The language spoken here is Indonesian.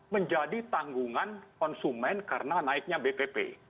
menjadi tanggungan konsumen karena naiknya bpp